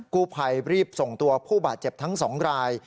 กู้ภัยรีบส่งตัวผู้บาดเจ็บทั้ง๒ราย